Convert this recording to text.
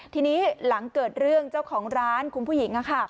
ทีนี้หลังเกิดเรื่องเจ้าของร้านคุณผู้หญิง